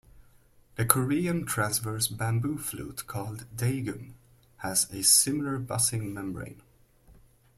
The Korean transverse bamboo flute called "daegeum" has a similar buzzing membrane.